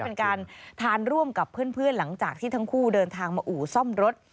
เป็นการทานร่วมกับเพื่อนหลังจากที่ทั้งคู่เดินทางมาอู่ซ่อมรถ